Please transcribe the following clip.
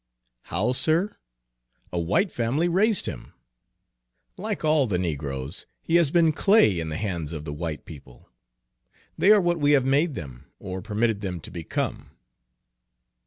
"How, sir? A white family raised him. Like all the negroes, he has been clay in the hands of the white people. They are what we have made them, or permitted them to become."